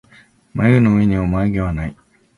まゆげのうえにはまゆげはない